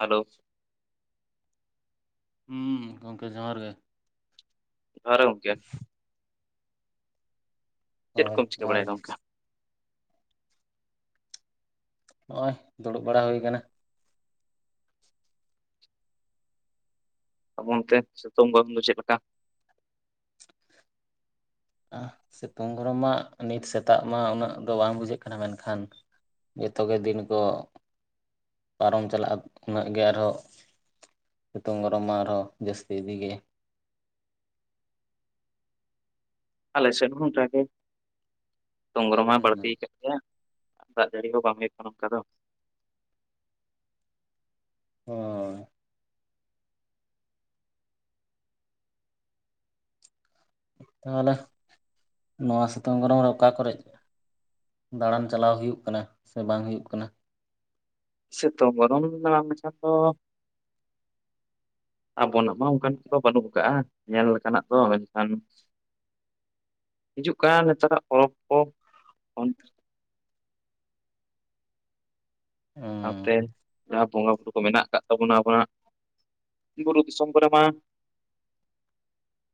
Hello ᱦᱩᱸ ᱜᱚᱢᱠᱮ ᱡᱚᱦᱟᱨ ᱜᱮ ᱡᱚᱦᱟᱨ ᱜᱮ ᱜᱚᱝᱠᱮ ᱪᱮᱫ ᱦᱳᱭ ᱠᱚᱢ ᱪᱤᱠᱟᱹ ᱡᱚᱦᱟᱨ ᱵᱟᱲᱟᱭᱟ ᱜᱮ ᱚᱱᱝᱠᱟ ᱱᱚᱜ ᱚᱭ ᱫᱩᱲᱩᱵ ᱵᱟᱲᱟ ᱦᱩᱭ ᱟᱠᱟᱱᱟ ᱜᱚᱝᱠᱮ ᱥᱤᱛᱩᱝ ᱜᱚᱨᱚᱢᱫᱚ ᱪᱮᱫ ᱞᱮᱠᱟ? ᱥᱤᱛᱩᱝ ᱜᱚᱨᱚᱢ ᱢᱟ ᱱᱤᱛ ᱥᱮᱛᱟᱜ ᱢᱟ ᱩᱱᱟᱹᱜ ᱫᱚ ᱵᱟᱝ ᱵᱩᱡᱷᱟᱹᱜ ᱠᱟᱱᱟ ᱢᱮᱱᱠᱷᱟᱱ ᱡᱚᱛᱚ ᱜᱮ ᱫᱤᱱ ᱠᱚ ᱯᱟᱨᱚᱢ ᱪᱟᱞᱟᱜᱼᱟ ᱩᱱᱟᱹᱜ ᱜᱮ ᱟᱨᱦᱚᱸ ᱥᱤᱛᱩᱝ ᱜᱚᱨᱚᱢ ᱢᱟ ᱟᱨᱦᱚ ᱡᱟᱹᱥᱛᱤ ᱤᱫᱤ ᱜᱮ ᱟᱞᱮ ᱥᱮᱫ ᱦᱚᱸ ᱚᱱᱠᱟᱜᱮ ᱥᱩᱛᱳᱝᱨᱚᱢ ᱢᱟ ᱦᱩᱸ ᱵᱟᱹᱲᱛᱤ ᱠᱟᱫ ᱜᱮᱭᱟ ᱟᱨ ᱫᱟᱜ ᱡᱟᱹᱲᱤ ᱦᱚᱸ ᱵᱟᱝ ᱦᱩᱭᱩᱜ ᱚᱱᱠᱟᱫᱚ ᱚ ᱛᱟᱦᱞᱮ ᱞᱮ ᱱᱚᱣᱟ ᱥᱤᱛᱩᱝ ᱠᱚᱨᱮ ᱨᱮ ᱚᱠᱟ ᱠᱚᱨᱮ ᱫᱟᱬᱟᱱ ᱪᱟᱞᱟᱣ ᱦᱩᱭᱩᱜ ᱠᱟᱱᱟ ᱥᱮ ᱵᱟᱝ ᱦᱩᱭᱩᱜ ᱠᱟᱱᱟ ᱥᱮᱛᱚᱝ ᱵᱚᱨᱚᱱ ᱜᱟᱢᱪᱷᱟ ᱫᱚ ᱟᱵᱚᱱᱟᱜ ᱢᱟ ᱚᱱᱠᱟᱱᱮᱫ ᱫᱚ ᱵᱟᱹᱱᱩᱜ ᱠᱟᱜᱼᱟ ᱧᱮᱞ ᱞᱮᱠᱟᱱᱟᱜ ᱛᱚ ᱢᱮᱱᱠᱷᱟᱱ ᱦᱤᱡᱩᱜ ᱠᱟᱱ ᱱᱮᱛᱟ ᱨᱟᱜ ᱯᱚᱨᱚᱵ ᱠᱚ [unintelligible] ᱥᱟᱶ ᱛᱮᱱ ᱡᱟᱦᱟᱸ ᱵᱚᱸᱜᱟ ᱵᱩᱨᱩ ᱠᱚ ᱢᱮᱱᱟᱜ ᱟᱠᱟᱫ ᱛᱟᱵᱚᱱᱟ ᱟᱵᱚᱱᱟᱜ ᱵᱩᱨᱩ ᱫᱤᱥᱚᱢ ᱠᱚᱨᱮᱜ ᱢᱟ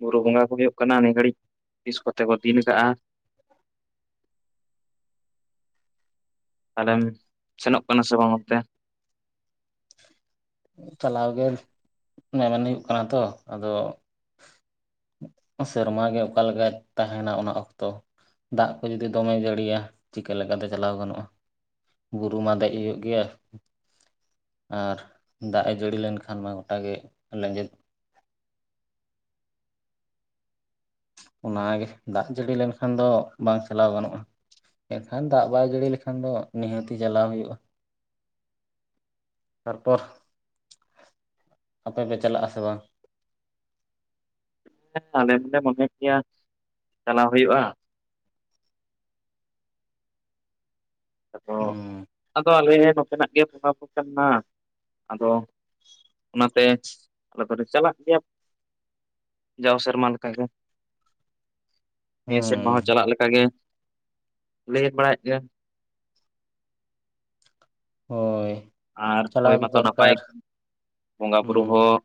ᱵᱩᱨᱩ ᱵᱚᱸᱜᱟ ᱠᱚ ᱦᱩᱭᱩᱜ ᱠᱟᱱᱟ ᱱᱤᱭᱟ ᱜᱷᱟᱹᱲᱤᱡ ᱛᱤᱥ ᱠᱚᱛᱮ ᱠᱚ ᱫᱤᱱ ᱠᱟᱜᱼᱟ ᱯᱟᱞᱮᱢ ᱥᱮᱱᱚᱜ ᱠᱟᱱᱟ ᱥᱮ ᱵᱟᱝ ᱚᱱᱛᱮ? ᱪᱟᱞᱟᱣ ᱜᱮ ᱢᱮᱢᱮᱱ ᱦᱩᱭᱩᱜ ᱠᱟᱱᱟ ᱛᱚ ᱟᱫᱚ ᱥᱮᱨᱢᱟᱮ ᱜᱮ ᱚᱠᱟ ᱞᱮᱠᱟᱭ ᱛᱟᱦᱮᱱᱟ ᱚᱱᱟ ᱚᱠᱛᱚ ᱫᱟᱜ ᱠᱚ ᱡᱩᱫᱤ ᱫᱚᱢᱮ ᱡᱟᱹᱲᱤᱭᱟ ᱪᱤᱠᱟᱹ ᱞᱮᱠᱟ ᱛᱮ ᱪᱟᱞᱟᱣ ᱜᱟᱱᱚᱜᱼᱟ᱾ ᱵᱩᱨᱩ ᱢᱟ ᱫᱮᱡ ᱦᱩᱭᱩᱜ ᱜᱮᱭᱟ ᱟᱨ ᱫᱟᱜ ᱮ ᱡᱟᱹᱲᱤ ᱞᱮᱱᱠᱷᱟᱱ ᱢᱟ ᱜᱚᱴᱟ ᱜᱮ ᱞᱮᱸᱡᱮᱫ ᱚᱱᱟᱜᱮ ᱫᱟᱜ ᱡᱟᱹᱲᱤ ᱞᱮᱱᱠᱷᱟᱱ ᱫᱚ ᱵᱟᱝ ᱪᱟᱞᱟᱣ ᱜᱟᱱᱚᱜᱼᱟ᱾ ᱮᱱᱠᱷᱟᱱ ᱫᱟᱜ ᱵᱟᱭ ᱡᱟᱹᱲᱤ ᱞᱮᱠᱷᱟᱱ ᱫᱚ ᱱᱤᱦᱟᱹᱛᱤ ᱪᱟᱞᱟᱣ ᱦᱩᱭᱩᱜᱼᱟ ᱛᱟᱨᱯᱚᱨ ᱟᱯᱮ ᱯᱮ ᱪᱟᱞᱟᱜᱼᱟ ᱥᱮ ᱵᱟᱝ ᱦᱮᱸ ᱟᱞᱮ ᱦᱚᱸᱞᱮ ᱢᱚᱱᱮ ᱠᱮᱭᱟ ᱪᱟᱞᱟᱣ ᱦᱩᱭᱩᱜᱼᱟ᱾ ᱟᱫᱚ ᱦᱩᱸ ᱟᱫᱚ ᱟᱞᱮ ᱱᱚᱛᱮ ᱱᱟᱜ ᱜᱮ ᱵᱚᱢᱠᱟ ᱯᱨᱚᱵ ᱠᱟᱱᱟ ᱟᱫᱚ ᱚᱱᱟᱛᱮ ᱟᱞᱮ ᱫᱚᱞᱮ ᱪᱟᱞᱟᱜ ᱜᱮᱭᱟ ᱡᱟᱣ ᱥᱮᱨᱢᱟ ᱞᱮ ᱞᱮᱠᱟ ᱜᱮ ᱱᱤᱭᱟᱹ ᱥᱮᱨᱢᱟ ᱦᱩᱸ ᱦᱚᱸ ᱪᱟᱞᱟᱜ ᱞᱮᱠᱟ ᱜᱮ ᱞᱟᱹᱭ ᱵᱟᱲᱟᱭᱮᱫ ᱜᱮᱭᱟ ᱦᱳᱭ ᱟᱨ ᱪᱟᱞᱟᱣ ᱦᱳᱭ ᱫᱚ ᱢᱟᱛᱚ ᱱᱟᱯᱟᱭ ᱫᱚᱨᱠᱟᱨ ᱵᱚᱸᱜᱟ ᱦᱩᱸ ᱵᱩᱨᱩ ᱦᱚᱸ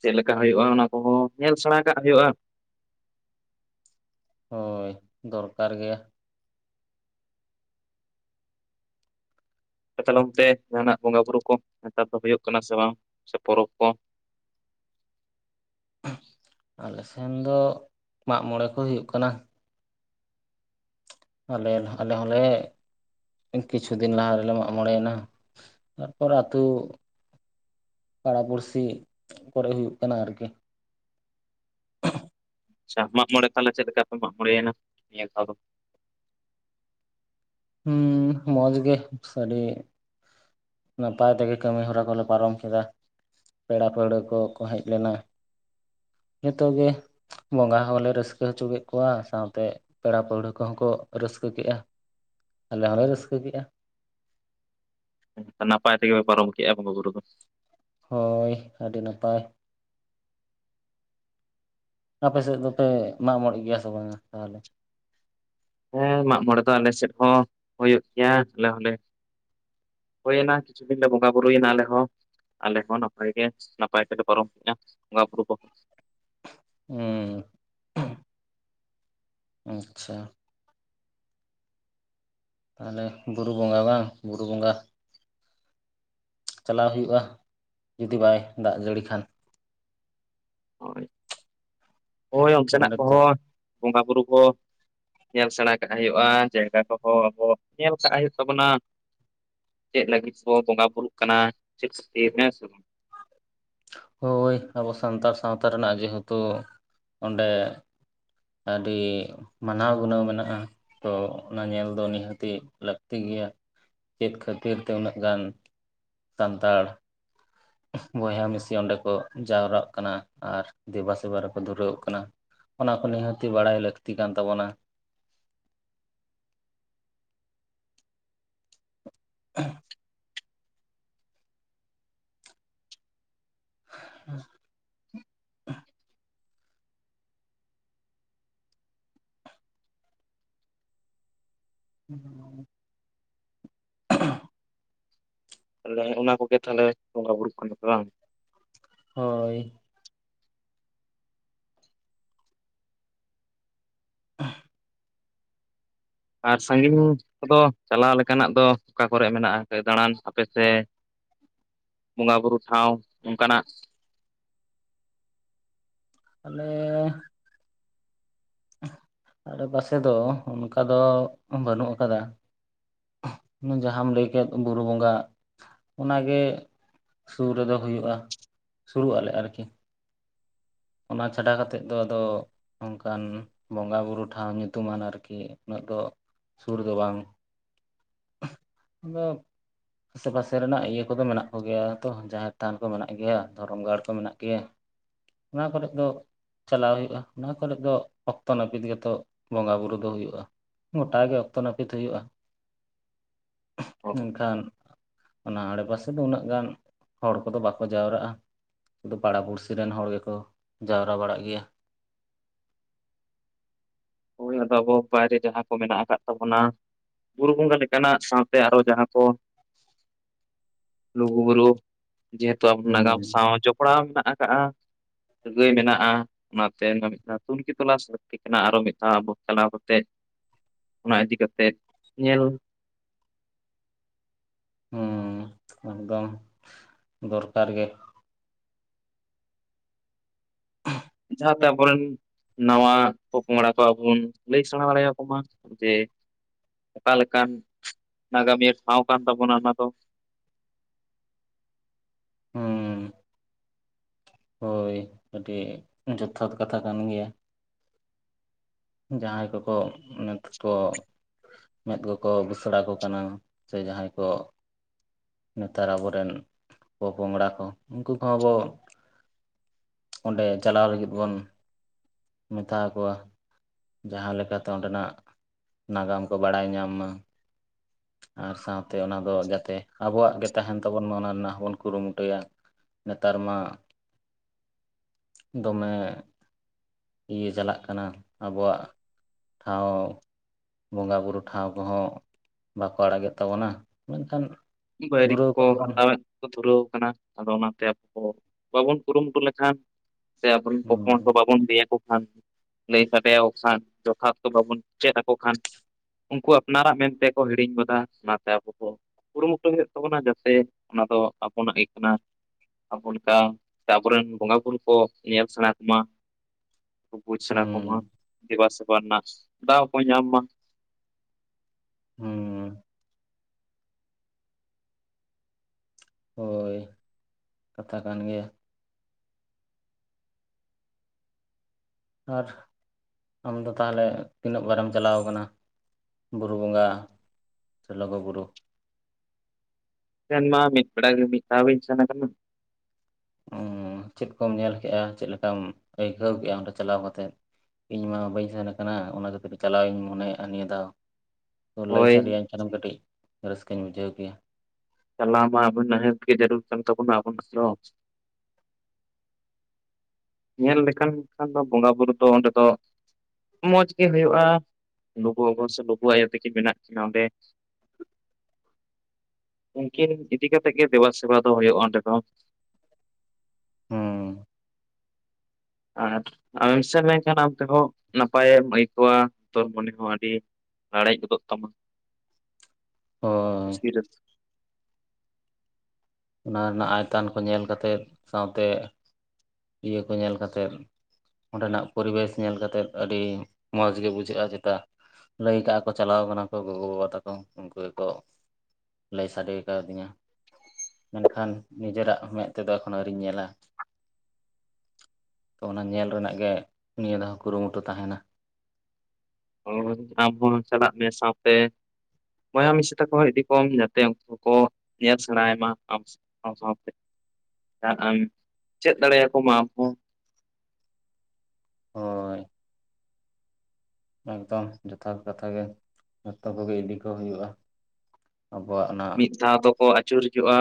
ᱪᱮᱫ ᱞᱮᱠᱟ ᱦᱩᱭᱩᱜᱼᱟ ᱚᱱᱟ ᱠᱚᱦᱚᱸ ᱧᱮᱞ ᱥᱮᱬᱟ ᱠᱟᱜ ᱦᱩᱭᱩᱜᱼᱟ ᱦᱳᱭ ᱫᱚᱨᱠᱟᱨ ᱜᱮᱭᱟ ᱟᱯᱮ ᱛᱟᱦᱮᱞᱮ ᱜᱚᱝᱠᱮ ᱡᱟᱦᱱᱟᱜ ᱵᱚᱸᱜᱟ ᱵᱩᱨᱩ ᱠᱚ ᱱᱮᱛᱟᱨ ᱫᱚ ᱦᱩᱭᱩᱜ ᱠᱟᱱᱟ ᱥᱮ ᱵᱟᱝ ᱥᱮ ᱯᱚᱨᱚᱵᱽ ᱠᱚ ᱟᱞᱮ ᱥᱮᱱ ᱫᱚ ᱢᱟᱜᱢᱬᱮ ᱠᱚ ᱦᱩᱭᱩᱜ ᱠᱟᱱᱟ ᱟᱞᱮ ᱟᱞᱮ ᱦᱚᱸᱞᱮ ᱠᱤᱪᱷᱩ ᱫᱤᱱ ᱞᱟᱦᱟ ᱨᱮᱞᱮ ᱢᱟᱜ ᱢᱚᱬᱮᱭᱮᱱᱟ ᱛᱟᱨᱯᱚᱨ ᱟᱹᱛᱩ ᱯᱟᱲᱟ ᱯᱩᱲᱥᱤ ᱠᱚᱨᱮ ᱦᱩᱭᱩᱜ ᱠᱟᱱᱟ ᱟᱨᱠᱤ ᱟᱪᱷᱟ ᱢᱟᱜ ᱢᱚᱬᱮ ᱛᱟᱦᱚᱞᱮ ᱪᱮᱫ ᱞᱮᱠᱟ ᱯᱮ ᱢᱟᱜ ᱢᱚᱬᱮᱱᱟ ᱱᱤᱭᱟᱹ ᱫᱷᱟᱣ ᱫᱚ ᱦᱩᱸ ᱢᱚᱡᱽ ᱜᱮ ᱥᱟᱹᱨᱤ ᱱᱟᱯᱟᱭ ᱛᱮᱜᱮ ᱠᱟᱹᱢᱤ ᱦᱚᱨᱟ ᱠᱚᱞᱮ ᱯᱟᱨᱚᱢ ᱠᱮᱫᱟ ᱯᱮᱲᱟ ᱯᱟᱹᱲᱦᱟᱹ ᱠᱚᱠᱚ ᱦᱮᱡ ᱞᱮᱱᱟ ᱡᱚᱛᱚ ᱜᱮ ᱵᱚᱸᱜᱟ ᱦᱚᱸᱞᱮ ᱨᱟᱹᱥᱠᱟᱹ ᱦᱚᱪᱚ ᱠᱮᱫ ᱠᱚᱣᱟ ᱥᱟᱶᱛᱮ ᱯᱮᱲᱟ ᱯᱟᱹᱲᱦᱟᱹ ᱠᱚᱦᱚᱸ ᱠᱚ ᱨᱟᱹᱥᱠᱟᱹ ᱠᱮᱜᱼᱟ ᱟᱞᱮ ᱦᱚᱸᱞᱮ ᱨᱟᱹᱥᱠᱟᱹ ᱠᱮᱜᱼᱟ ᱱᱟᱯᱟᱭ ᱛᱮ ᱜᱮ ᱯᱮ ᱯᱟᱨᱚᱢ ᱠᱮᱜᱼᱟ ᱵᱚᱸᱜᱟ ᱵᱩᱨᱩ ᱫᱚ ᱦᱳᱭ ᱟᱹᱰᱤ ᱱᱟᱯᱟᱭ ᱟᱯᱮ ᱥᱮᱫ ᱫᱚᱯᱮ ᱢᱟᱜᱢᱚᱲᱮᱜ ᱜᱮᱭᱟ ᱥᱮ ᱵᱟᱝᱟ ᱛᱟᱦᱚᱞᱮ ᱦᱮᱸ ᱢᱟᱜᱽᱢᱚᱬᱮ ᱫᱚ ᱟᱞᱮ ᱥᱮᱫ ᱦᱚᱸ ᱦᱩᱭᱩᱜ ᱜᱮᱭᱟ ᱟᱞᱮ ᱦᱚᱸᱞᱮ ᱦᱩᱭᱮᱱᱟ ᱠᱤᱪᱷᱩ ᱫᱤᱱ ᱞᱮ ᱵᱚᱸᱜᱟ ᱵᱩᱨᱩᱭᱮᱱᱟ ᱟᱞᱮ ᱦᱚᱸ ᱟᱞᱮ ᱦᱚᱸ ᱱᱟᱯᱟᱭ ᱜᱮ ᱱᱟᱯᱟᱭ ᱛᱮᱞᱮ ᱯᱟᱨᱚᱢ ᱠᱮᱫᱼᱟ ᱵᱚᱸᱜᱟ ᱵᱩᱨᱩ ᱠᱚᱦᱚᱸ ᱦᱩᱸ ᱟᱪᱪᱷᱟ ᱛᱟᱦᱚᱞᱮ ᱵᱩᱨᱩ ᱵᱚᱸᱜᱟ ᱵᱟᱝ ᱵᱩᱨᱩ ᱵᱚᱸᱜᱟ ᱪᱟᱞᱟᱣ ᱦᱩᱭᱩᱜᱼᱟ ᱡᱩᱫᱤ ᱵᱟᱭ ᱫᱟᱜ ᱡᱟᱹᱲᱤ ᱠᱷᱟᱱ ᱦᱳᱭ ᱚᱱᱛᱮ ᱱᱟᱜ ᱚᱸᱰᱮ ᱫᱚ ᱠᱚᱦᱚᱸ ᱵᱚᱸᱜᱟ ᱵᱩᱨᱩ ᱠᱚ ᱧᱮᱞ ᱥᱮᱬᱟ ᱠᱟᱜ ᱦᱩᱭᱩᱜᱼᱟ ᱡᱟᱭᱜᱟ ᱠᱚᱦᱚᱸ ᱟᱵᱚ ᱧᱮᱞ ᱠᱟᱜ ᱦᱩᱭᱩᱜ ᱛᱟᱵᱚᱱᱟ ᱪᱮᱫ ᱞᱟᱹᱜᱤᱫ ᱵᱚ ᱵᱚᱸᱜᱟ ᱵᱩᱨᱩᱜ ᱠᱟᱱᱟ ᱪᱮᱫ ᱠᱷᱟᱹᱛᱤᱨ ᱦᱮ ᱥᱮ ᱵᱟᱝ ᱦᱳᱭ ᱟᱵᱚ ᱥᱟᱱᱛᱟᱲ ᱥᱟᱶᱛᱟ ᱨᱮᱱᱟᱜ ᱡᱮᱦᱮᱛᱩ ᱚᱸᱰᱮ ᱟᱹᱰᱤ ᱢᱟᱱᱟᱣ ᱜᱩᱱᱟᱹᱣ ᱢᱮᱱᱟᱜᱼᱟ ᱛᱚ ᱚᱱᱟ ᱧᱮᱞ ᱫᱚ ᱱᱤᱦᱟᱹᱛᱤ ᱞᱟᱹᱠᱛᱤ ᱜᱮᱭᱟ ᱪᱮᱫ ᱠᱷᱟᱹᱛᱤᱨ ᱛᱮ ᱩᱱᱟᱹᱜ ᱜᱟᱱ ᱥᱟᱱᱛᱟᱲ ᱵᱚᱭᱦᱟ ᱢᱤᱥᱤ ᱚᱸᱰᱮ ᱠᱚ ᱡᱟᱣᱨᱟᱜ ᱠᱟᱱᱟ ᱟᱨ ᱫᱮᱵᱟ ᱥᱮᱵᱟ ᱨᱮᱠᱚ ᱫᱷᱩᱨᱟᱹᱣᱚᱜ ᱠᱟᱱᱟ ᱚᱱᱟ ᱱᱤᱦᱟᱹᱛᱤ ᱵᱟᱲᱟᱭ ᱞᱟᱹᱠᱛᱤ ᱠᱟᱱ ᱛᱟᱵᱚᱱᱟ [inaudible] [inaudible] [unintelligible] [unintelligible] ᱛᱟᱦᱚᱞᱮ ᱚᱱᱟ ᱠᱚᱜᱮ ᱛᱟᱦᱚᱞᱮ ᱵᱚᱸᱜᱟ ᱵᱩᱨᱩᱜ ᱠᱟᱱᱟ ᱯᱮ ᱵᱟᱝ ᱦᱳᱭ [unintelligible] ᱟᱨ ᱥᱟᱺᱜᱤᱧ ᱠᱚᱫᱚ ᱪᱟᱞᱟᱣ ᱞᱮᱠᱟᱱᱟᱜ ᱫᱚ ᱚᱠᱟ ᱠᱚᱨᱮ ᱢᱮᱱᱟᱜᱼᱟ ᱫᱟᱬᱟᱱ ᱥᱟᱯᱮ ᱥᱮ ᱵᱚᱸᱜᱟ ᱵᱩᱨᱩ ᱴᱷᱟᱶ ᱚᱱᱠᱟᱱᱟᱜ ᱟᱞᱮ ᱟᱲᱮ ᱯᱟᱥᱮ ᱫᱚ ᱚᱱᱠᱟ ᱫᱚ ᱵᱟᱹᱱᱩᱜ ᱟᱠᱟᱫᱟ ᱡᱟᱦᱟᱸᱢ ᱞᱟᱹᱭ ᱠᱮᱫ ᱵᱩᱨᱩ ᱵᱚᱸᱜᱟᱜ ᱚᱱᱟᱜᱮ ᱥᱩᱨ ᱨᱮᱫᱚ ᱦᱩᱭᱩᱜᱼᱟ ᱥᱩᱨᱩᱜ ᱟᱞᱮ ᱟᱨᱠᱤ ᱚᱱᱟ ᱪᱷᱟᱰᱟ ᱠᱟᱛᱮᱫ ᱫᱚ ᱟᱫᱚ ᱚᱱᱠᱟᱱ ᱵᱚᱸᱜᱟ ᱵᱩᱨᱩ ᱴᱷᱟᱶ ᱧᱩᱛᱩᱢᱟᱱ ᱟᱨᱠᱤ ᱩᱱᱟᱹᱜ ᱫᱚ ᱥᱩᱨ ᱫᱚ ᱵᱟᱝ ᱟᱫᱚ ᱟᱥᱮ ᱯᱟᱥᱮ ᱨᱮᱱᱟᱜ ᱤᱭᱟᱹ ᱠᱚᱫᱚ ᱢᱮᱱᱟᱜ ᱠᱚ ᱜᱮᱭᱟ ᱛᱚ ᱡᱟᱦᱮᱸᱨ ᱛᱷᱟᱱ ᱠᱚ ᱢᱮᱱᱟᱜ ᱜᱮᱭᱟ ᱫᱷᱚᱨᱚᱢ ᱜᱟᱲ ᱠᱚ ᱢᱮᱱᱟᱜ ᱜᱮᱭᱟ ᱚᱱᱟ ᱠᱚᱨᱮᱱ ᱫᱚ ᱪᱟᱞᱟᱣ ᱦᱩᱭᱩᱜ-ᱟ ᱚᱱᱟ ᱠᱚᱨᱮ ᱫᱚ ᱚᱠᱛᱚ ᱱᱟᱹᱯᱤᱛ ᱜᱮᱛᱚ ᱵᱚᱸᱜᱟ ᱵᱩᱨᱩ ᱫᱚ ᱦᱩᱭᱩᱜ-ᱟ ᱜᱚᱴᱟ ᱜᱮ ᱚᱠᱛᱚ ᱱᱟᱹᱯᱤᱛ ᱦᱩᱭᱩᱜ-ᱟ ᱢᱮᱱᱠᱷᱟᱱ ᱚᱱᱟ ᱟᱲᱰᱮ ᱯᱟᱥᱮ ᱫᱚ ᱩᱱᱟᱹᱜ ᱜᱟᱱ ᱦᱚᱲ ᱠᱚᱫᱚ ᱵᱟᱠᱚ ᱡᱟᱣᱨᱟᱜ-ᱟ ᱥᱩᱫᱩ ᱯᱟᱲᱟ ᱯᱩᱲᱥᱤ ᱨᱮᱱ ᱦᱚᱲ ᱜᱮ ᱠᱚ ᱡᱟᱣᱨᱟ ᱵᱟᱲᱟᱜ ᱜᱮᱭᱟ ᱦᱳᱭ ᱟᱫᱚ ᱟᱵᱚ ᱵᱟᱭᱨᱮ ᱡᱟᱦᱟᱸ ᱠᱚ ᱢᱮᱱᱟᱜ ᱟᱠᱟᱫ ᱛᱟᱵᱚᱱᱟ ᱵᱩᱨᱩ ᱵᱚᱸᱜᱟ ᱞᱮᱠᱟᱱᱟᱜ ᱥᱟᱶᱛᱮ ᱟᱨᱚ ᱡᱟᱦᱟᱸ ᱠᱚ ᱞᱩᱜᱩᱵᱩᱨᱩ ᱡᱮᱦᱮᱛᱩ ᱟᱵᱚ ᱱᱟᱜᱟᱢ ᱦᱩᱸ ᱥᱟᱶ ᱡᱚᱯᱲᱟᱣ ᱢᱮᱱᱟᱜ ᱟᱠᱟᱜ-ᱟ ᱥᱟᱹᱜᱟᱹᱭ ᱢᱮᱱᱟᱜ-ᱟ ᱚᱱᱟ ᱛᱮ ᱚᱱᱟᱴ ᱛᱩᱱᱠᱷᱤ ᱛᱚᱞᱟᱥ ᱞᱟᱹᱠᱛᱤ ᱠᱟᱱᱟ ᱟᱨᱚ ᱢᱤᱫ ᱟᱵᱚ ᱪᱟᱞᱟᱣ ᱠᱟᱛᱮ ᱚᱱᱟ ᱤᱫᱤ ᱠᱟᱛᱮᱫ ᱧᱮᱞ ᱦᱩᱸ ᱮᱠᱫᱚᱢ ᱫᱚᱨᱠᱟᱨ ᱜᱮ ᱡᱟᱦᱟᱸ ᱛᱮ ᱟᱵᱚᱨᱮᱱ ᱱᱟᱣᱟ ᱯᱚᱝᱯᱚᱝᱲᱟ ᱠᱚ ᱟᱵ ᱵᱚᱱ ᱞᱟᱹᱭ ᱥᱮᱬᱟ ᱫᱟᱲᱮ ᱟᱠᱚ ᱢᱟ ᱡᱮ ᱚᱠᱟ ᱞᱮᱠᱟᱱ ᱱᱟᱜᱟᱢᱤᱭᱟᱹ ᱴᱷᱟᱶ ᱠᱟᱱ ᱛᱟᱵᱚᱱᱟ ᱚᱱᱟ ᱫᱚ ᱦᱩᱸ ᱦᱳᱭ ᱟᱹᱰᱤ ᱡᱚᱛᱷᱟᱛ ᱠᱟᱛᱷᱟ ᱠᱟᱱ ᱜᱮᱭᱟ ᱡᱟᱦᱟᱸᱭ ᱠᱚᱠᱚ ᱱᱮᱛᱠᱚ ᱢᱮᱫ ᱠᱚᱠᱚ ᱵᱟᱹᱥᱲᱟ ᱠᱚ ᱠᱟᱱᱟ ᱥᱮ ᱡᱟᱦᱟᱸᱭ ᱠᱚ ᱱᱮᱛᱟᱨ ᱟᱵᱚᱨᱮᱱ ᱯᱚ-ᱯᱚᱝᱲᱟ ᱠᱚ ᱩᱱᱠᱩ ᱠᱚᱦᱚᱸ ᱵᱚ ᱚᱸᱰᱮ ᱪᱟᱞᱟᱣ ᱞᱟᱹᱜᱤᱫ ᱵᱚᱱ ᱢᱮᱛᱟᱠᱚᱣᱟ ᱡᱟᱦᱟᱸ ᱞᱮᱠᱟᱛᱮ ᱚᱸᱰᱮᱱᱟᱜ ᱱᱟᱜᱟᱢ ᱠᱚ ᱵᱟᱲᱟᱭ ᱧᱟᱢ ᱢᱟ ᱟᱨ ᱥᱟᱶᱛᱮ ᱚᱱᱟ ᱫᱚ ᱡᱟᱛᱮ ᱟᱵᱚᱣᱟᱜ ᱜᱮ ᱛᱟᱦᱮᱱ ᱛᱟᱵᱚᱱ ᱢᱟ ᱚᱱᱟ ᱨᱮᱱᱟᱜ ᱦᱚᱸᱵᱚᱱ ᱠᱩᱨᱩᱢᱩᱴᱩᱭᱟ ᱱᱮᱛᱟᱨ ᱢᱟ ᱫᱚᱢᱮ ᱤᱭᱟᱹ ᱪᱟᱞᱟᱜ ᱠᱟᱱᱟ ᱟᱵᱚᱣᱟᱜ ᱴᱷᱟᱶ ᱵᱚᱸᱜᱟ ᱵᱳᱨᱳ ᱴᱷᱟᱶ ᱠᱚ ᱦᱚᱸ ᱵᱟᱠᱚ ᱟᱲᱟᱜᱮᱫ ᱛᱟᱵᱚᱱᱟ ᱢᱮᱱᱠᱷᱟᱱ ᱵᱟᱭᱨᱤ ᱫᱩᱨᱟᱹᱣ ᱠᱚ ᱵᱚᱱ ᱦᱟᱛᱟᱣᱮᱜ ᱫᱷᱩᱨᱟᱹᱣ ᱠᱟᱱᱟ ᱟᱫᱚ ᱚᱱᱟᱛᱮ ᱟᱵᱚ ᱵᱟᱵᱚᱱ ᱠᱩᱨᱩᱢᱩᱴᱩ ᱞᱮᱠᱷᱟᱱ ᱛᱮ ᱟᱵᱚᱨᱮᱱ ᱦᱚᱯᱚᱱ ᱠᱚ ᱦᱩᱸ ᱵᱟᱵᱚᱱ ᱞᱟᱹᱭᱟᱠᱚ ᱠᱷᱟᱱ ᱞᱟᱹᱭ ᱠᱟᱛᱮ ᱟᱫᱚ ᱠᱷᱟᱱ ᱡᱚᱛᱷᱟᱛᱠᱚ ᱵᱟᱵᱚᱱ ᱪᱮᱫ ᱟᱠᱚ ᱠᱷᱟᱱ ᱩᱱᱠᱩ ᱟᱯᱱᱟᱨᱟᱜ ᱢᱮᱱᱛᱮᱠᱚ ᱦᱤᱲᱤᱧ ᱜᱚᱫᱟ ᱚᱱᱟᱛᱮ ᱟᱵᱚ ᱠᱚ ᱠᱩᱨᱩᱢᱩᱴᱩᱭ ᱦᱩᱭᱩᱜ ᱛᱟᱵᱚᱱᱟ ᱡᱟᱛᱮ ᱚᱱᱟ ᱫᱚ ᱟᱵᱚᱱᱟᱜ ᱜᱮ ᱠᱟᱱᱟ ᱟᱵᱚ ᱞᱮᱠᱟ ᱥᱮ ᱟᱵᱚᱨᱮᱱ ᱵᱚᱸᱜᱟ ᱵᱩᱨᱩ ᱠᱚ ᱧᱮᱞ ᱥᱟᱱᱟᱭ ᱢᱟ ᱵᱩᱡ ᱥᱟᱱᱟ ᱠᱚᱢᱟ ᱦᱩᱸ ᱫᱮᱵᱟ ᱥᱮᱵᱟ ᱨᱮᱱᱟᱜ ᱫᱟᱣ ᱠᱚ ᱧᱟᱢ ᱢᱟ ᱦᱩᱸ ᱦᱳᱭ ᱠᱟᱛᱷᱟ ᱠᱟᱱ ᱜᱮᱭᱟ ᱟᱨ ᱟᱢᱫᱚ ᱛᱟᱦᱚᱞᱮ ᱛᱤᱱᱟᱹᱜ ᱵᱟᱨᱮᱢ ᱪᱟᱞᱟᱣ ᱟᱠᱟᱱᱟ ᱵᱩᱨᱩ ᱵᱚᱸᱜᱟ ᱥᱮ ᱞᱩᱜᱩᱵᱩᱨᱩ ᱟᱞᱤᱧ ᱢᱟ ᱢᱤᱫᱵᱮᱬᱟᱜᱮ ᱢᱤᱫᱫᱷᱟᱣᱜᱤᱧ ᱥᱮᱱ ᱠᱟᱱᱟ ᱚ ᱪᱮᱫ ᱠᱚᱢ ᱧᱮᱞ ᱠᱮᱜ-ᱟ ᱪᱮᱫ ᱞᱮᱠᱟᱢ ᱟᱹᱭᱠᱟᱹᱣ ᱠᱮᱫ-ᱟ ᱚᱸᱰᱮ ᱪᱟᱞᱟᱣ ᱠᱟᱛᱮ ᱤᱧ ᱢᱟ ᱵᱟᱹᱧ ᱥᱮᱱ ᱟᱠᱟᱱᱟ ᱚᱱᱟ ᱠᱷᱟᱹᱛᱤᱨ ᱪᱟᱞᱟᱣ ᱤᱧ ᱢᱚᱱᱮᱭᱮᱫ-ᱟ ᱱᱤᱭᱟᱹ ᱫᱷᱟᱣ ᱛᱚ ᱞᱟᱹᱭ ᱥᱟᱰᱮᱭ ᱦᱳᱭ ᱟᱹᱧ ᱠᱷᱱ ᱠᱟᱹᱴᱤᱡ ᱨᱟᱹᱥᱠᱟᱹᱧ ᱵᱩᱡᱷᱟᱹᱣ ᱠᱮᱭᱟ ᱪᱟᱞᱟᱜ ᱢᱟ ᱟᱵᱚ ᱱᱤᱦᱟᱹᱛ ᱜᱮ ᱡᱚᱨᱩᱨ ᱠᱟᱱ ᱛᱟᱵᱚᱱᱟ ᱟᱵᱚ ᱠᱚᱫᱚ ᱧᱮᱞ ᱞᱮᱠᱷᱟᱱ ᱢᱮᱱᱠᱟᱷᱟᱱ ᱫᱚ ᱵᱚᱸᱜᱟ ᱵᱩᱨᱩ ᱫᱚ ᱚᱸᱰᱮ ᱫᱚ ᱢᱚᱸᱡᱽ ᱜᱮ ᱦᱩᱭᱩᱜ-ᱟ ᱞᱩᱜᱩ ᱵᱟᱵᱟ ᱥᱮ ᱞᱩᱜᱩ ᱟᱭᱳ ᱛᱟᱠᱤᱱ ᱢᱮᱱᱟᱜ ᱠᱤᱱᱟ ᱚᱸᱰᱮ ᱩᱱᱠᱤᱱ ᱤᱫᱤ ᱠᱟᱛᱮ ᱜᱮ ᱫᱮᱵᱟᱥᱮᱵᱟ ᱫᱚ ᱦᱩᱭᱩᱜ-ᱟ ᱚᱸᱰᱮ ᱫᱚ ᱦᱩᱸ ᱟᱨ ᱟᱢᱮᱢ ᱥᱮᱱ ᱞᱮᱱᱠᱷᱟᱱ ᱟᱢ ᱛᱮᱦᱚᱸ ᱱᱟᱯᱟᱭᱮᱢ ᱟᱹᱭᱠᱟᱹᱣᱟ ᱦᱳᱭᱟ ᱛᱚ ᱢᱚᱱᱮ ᱦᱚᱸ ᱟᱹᱰᱤ ᱞᱟᱲᱮᱡ ᱜᱚᱫᱚᱜ ᱛᱟᱢᱟ ᱦᱳᱭ [unintelligible] ᱚᱱᱟ ᱨᱮᱱᱟᱜ ᱟᱭᱛᱟᱱ ᱠᱚ ᱧᱮᱞ ᱠᱟᱛᱮᱫ ᱥᱟᱶᱛᱮ ᱤᱭᱟᱹ ᱠᱚ ᱧᱮᱞ ᱠᱟᱛᱮᱫ ᱚᱸᱰᱮᱱᱟᱜ ᱯᱚᱨᱤᱵᱮᱥ ᱧᱮᱞ ᱠᱟᱛᱮᱫ ᱟᱹᱰᱤ ᱢᱚᱸᱡᱽ ᱜᱮ ᱵᱩᱡᱷᱟᱹᱜᱼᱟ ᱪᱮᱛᱟ ᱞᱟᱹᱭ ᱠᱟᱜᱼᱟ ᱠᱚ ᱪᱟᱞᱟᱣ ᱠᱟᱱᱟ ᱠᱚ ᱜᱚᱜᱚ ᱵᱟᱵᱟ ᱛᱟᱠᱚ ᱩᱱᱠᱩ ᱜᱮᱠᱚ ᱞᱟᱹᱭ ᱥᱟᱰᱮ ᱠᱟᱣᱫᱤᱧᱟ ᱢᱮᱱᱠᱷᱟᱱ ᱱᱤᱡᱮᱨᱟᱜ ᱢᱮᱫ ᱛᱮᱫᱚ ᱮᱠᱷᱚᱱᱚ ᱟᱹᱣᱨᱤᱧ ᱧᱮᱞᱟ ᱛᱚ ᱚᱱᱟ ᱧᱮᱞ ᱨᱮᱱᱟᱜ ᱜᱮ ᱱᱤᱭᱟᱹ ᱫᱷᱟᱣ ᱠᱩᱨᱩᱢᱩᱴᱩ ᱛᱟᱦᱮᱱᱟ ᱚ ᱟᱢ ᱦᱚᱸ ᱪᱟᱞᱟᱜ ᱢᱮ ᱥᱟᱶᱛᱮ ᱵᱚᱭᱦᱟ ᱢᱤᱥᱤ ᱛᱟᱠᱚ ᱤᱫᱤ ᱠᱚᱢ ᱡᱟᱛᱮ ᱩᱱᱠᱩ ᱦᱚᱸᱠᱚ ᱧᱮᱞ ᱥᱮᱬᱟᱭ ᱢᱟ ᱟᱢ ᱥᱟᱶᱛᱮ ᱟᱢ ᱪᱮᱫ ᱫᱟᱲᱮᱭᱟᱠᱚ-ᱟᱢ ᱟᱢᱦᱚᱸ ᱦᱳᱭ ᱮᱠᱫᱚᱢ ᱡᱚᱛᱷᱟᱛ ᱠᱟᱛᱷᱟ ᱜᱮ ᱡᱚᱛᱚ ᱠᱚᱜᱮ ᱤᱫᱤ ᱠᱚ ᱦᱩᱭᱩᱜᱼᱟ ᱟᱵᱚᱣᱟᱜ ᱚᱱᱟ ᱢᱤᱫ ᱫᱷᱟᱣ ᱫᱚᱠᱚ ᱟᱹᱪᱩᱨ ᱦᱤᱡᱩᱜᱼᱟ᱾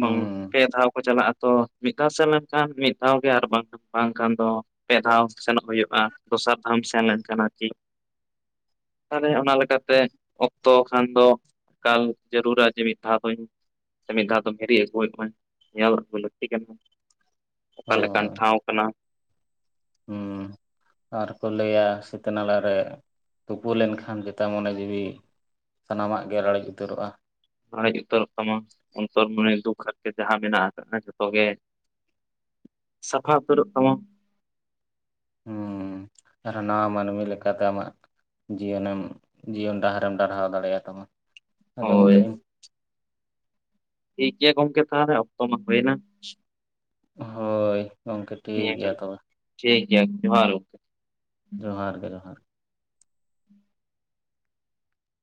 ᱵᱟᱝ ᱯᱮ ᱫᱷᱟᱣ ᱠᱚ ᱪᱟᱞᱟᱜᱼᱟ ᱛᱚ ᱢᱤᱫ ᱫᱷᱟᱣ ᱥᱮᱱ ᱞᱮᱱᱠᱷᱟᱱ, ᱢᱤᱫ ᱫᱷᱟᱣ ᱜᱮ ᱟᱨ ᱵᱟᱝ ᱵᱟᱝᱠᱷᱟᱱ ᱫᱚ ᱯᱮ ᱫᱷᱟᱣ ᱥᱮᱱᱚᱜ ᱦᱩᱭᱩᱜᱼᱟ, ᱫᱚᱥᱟᱨ ᱫᱷᱟᱣ ᱮᱢ ᱥᱮᱱ ᱞᱮᱱᱠᱷᱟᱱ ᱟᱨᱠᱤ ᱛᱟᱦᱚᱞᱮ ᱚᱱᱟ ᱞᱮᱠᱟᱛᱮ ᱚᱠᱛᱚ ᱠᱷᱟᱱ ᱫᱚ, ᱮᱠᱟᱞ ᱡᱟᱹᱨᱩᱲᱼᱟ ᱡᱮ ᱢᱤᱫ ᱫᱷᱟᱣ ᱫᱚᱧ ᱥᱮ ᱢᱤᱫ ᱫᱷᱟᱣ ᱫᱚ ᱦᱤᱨᱤ ᱟᱹᱜᱩᱭᱮᱫ ᱢᱮ ᱧᱮᱞ ᱨᱮᱠᱚ ᱞᱟᱹᱠᱛᱤ ᱠᱟᱱᱟ ᱚᱠᱟ ᱞᱮᱠᱟᱱ ᱦᱳᱭ ᱴᱷᱟᱶ ᱠᱟᱱᱟ᱾ ᱦᱩᱸ ᱟᱨ ᱠᱚ ᱞᱟᱹᱭᱟ ᱥᱤᱛᱟᱹ ᱱᱟᱞᱟ ᱨᱮ ᱛᱩᱯᱩ ᱞᱮᱱᱠᱷᱟᱱ, ᱡᱮᱴᱟ ᱢᱚᱱᱮ ᱡᱤᱣᱤ ᱥᱟᱱᱟᱢᱟᱜ ᱜᱮ ᱞᱟᱹᱲᱮᱡ ᱩᱛᱟᱹᱨᱚᱜᱼᱟ᱾ ᱨᱟᱹᱲᱮᱡ ᱩᱛᱟᱹᱨᱚᱜ ᱛᱟᱢᱟ ᱚᱱᱛᱚᱨ ᱢᱚᱱᱤ ᱫᱩᱠ ᱟᱨᱠᱤ ᱡᱟᱦᱟᱸ ᱢᱮᱱᱟᱜ ᱟᱠᱟᱫ ᱡᱚᱛᱚ ᱜᱮ ᱥᱟᱯᱷᱟ ᱩᱛᱟᱹᱨᱚᱜ ᱛᱟᱢᱟ ᱦᱩᱸ ᱟᱨ ᱱᱟᱣᱟ ᱢᱟᱹᱱᱢᱤ ᱞᱮᱠᱟᱛᱮ ᱟᱢᱟᱜ ᱡᱤᱭᱚᱱᱮᱢ ᱡᱤᱭᱚᱱ ᱰᱟᱦᱟᱨᱮᱢ ᱰᱟᱨᱦᱟᱣ ᱫᱟᱲᱮᱭᱟᱜ ᱛᱟᱢᱟ ᱟᱸᱡᱚᱢ ᱦᱳᱭ ᱠᱟᱜ ᱟᱹᱧ ᱴᱷᱤᱠ ᱜᱮᱭᱟ ᱜᱚᱢᱠᱮ ᱛᱟᱦᱚᱞᱮ ᱚᱠᱛᱚ ᱢᱟ ᱦᱩᱭᱱᱟ᱾ ᱦᱳᱭ ᱜᱚᱢᱠᱮ ᱴᱷᱤᱠ ᱱᱤᱭᱟᱹ ᱜᱮᱭᱟ ᱜᱷᱟᱹᱲᱤᱡ ᱛᱚᱵᱮ᱾ ᱴᱷᱤᱠ ᱜᱮᱭᱟ ᱡᱚᱦᱟᱨ ᱜᱮ ᱡᱚᱦᱟᱨ ᱜᱮ ᱡᱚᱦᱟᱨ